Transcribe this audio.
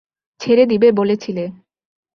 ছেড়ে দিবে বলেছিলে।